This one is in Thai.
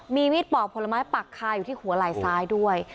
มีมีดปอกผลไม้ปักคาอยู่ที่หัวไหล่ซ้ายด้วย